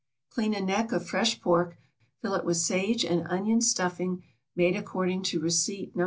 = Clean a neck of fresh pork, fill it with sage and onion stuffing, made according to receipt No.